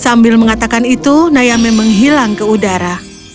sambil mengatakan itu nayame menghilang ke udara